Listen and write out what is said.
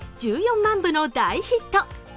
１４万部の大ヒット。